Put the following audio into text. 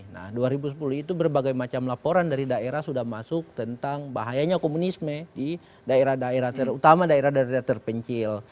nah dua ribu sepuluh itu berbagai macam laporan dari daerah sudah masuk tentang bahayanya komunisme di daerah daerah terutama daerah daerah terpencil